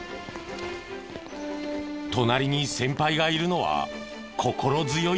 隣に先輩がいるのは心強い。